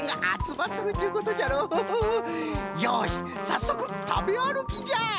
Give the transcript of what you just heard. よしさっそくたべあるきじゃ！